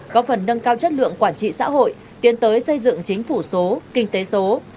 có phần nâng cao chất lượng quản trị xã hội tiến tới xây dựng chính phủ số kinh tế số